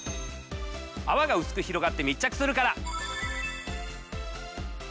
泡がうすく広がって密着するから。